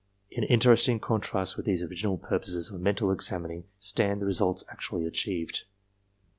In interest ing contrast with these original purposes of mental examining stand the results actually achieved.